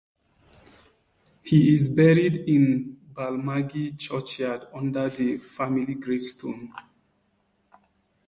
He is buried in Balmaghie churchyard under the family gravestone.